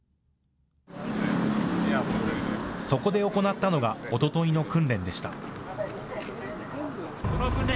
そこで行ったのがおとといの訓練でした。